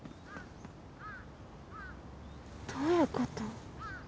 どういうこと？